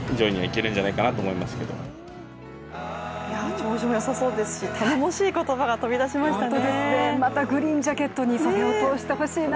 調子はよさそうですし、頼もしい言葉が飛び出しましたね。